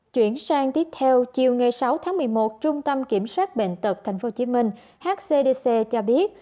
chuyển sang tiếp theo chiều ngày sáu tháng một mươi một trung tâm kiểm soát bệnh tật tp hcm hcdc cho biết